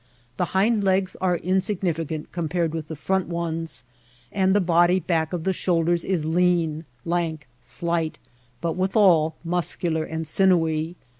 The hind legs are in significant compared with the front ones, and the body back of the shoulders is lean, lank, slight, but withal muscular and sinewy.